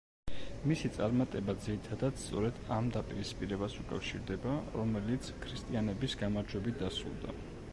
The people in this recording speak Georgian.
მისი წარმატება ძირითადად სწორედ ამ დაპირისპირებას უკავშირდება, რომელიც ქრისტიანების გამარჯვებით დასრულდა.